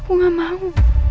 aku nggak mau